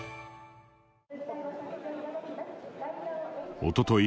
おととい